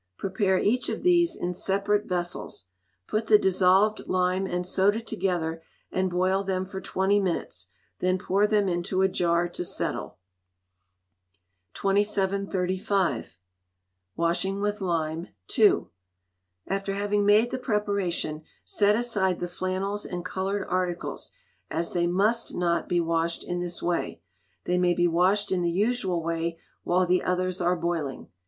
Prepare each of these in separate vessels; put the dissolved lime and soda together, and boil them for twenty minutes; then pour them into a jar to settle. 2735. Washing with Lime (2). After having made the Preparation, set aside the flannels and coloured articles, as they must not be washed in this way. They may be washed in the usual way while the others are boiling.